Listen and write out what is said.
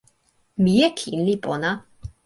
mije kin li pona.